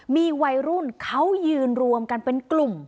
มีวัยรุ่นเขายืนรวมกันเป็นกลุ่ม